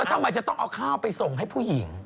ทำไมจะต้องเอาข้าวไปส่งให้ผู้หญิง